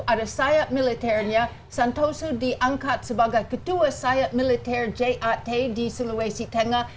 ada sayap militernya santoso diangkat sebagai ketua sayap militer jat di sulawesi tengah